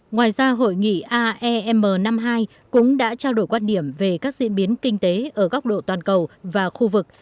ngoài ra hội nghị aem năm mươi hai cũng đã trao đổi quan điểm về các diễn biến kinh tế ở góc độ toàn cầu và khu vực